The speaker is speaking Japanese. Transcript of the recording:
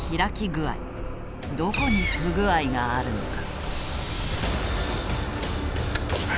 どこに不具合があるのか。